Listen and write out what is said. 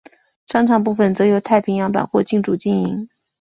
商场部份则由太平洋百货进驻经营。